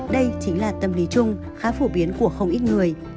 đây chính là tâm lý chung khá phổ biến của không ít người